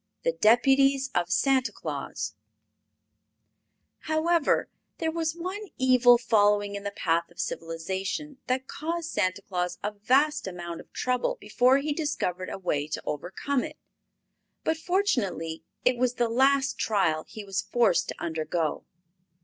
3. The Deputies of Santa Claus However, there was one evil following in the path of civilization that caused Santa Claus a vast amount of trouble before he discovered a way to overcome it. But, fortunately, it was the last trial he was forced to undergo.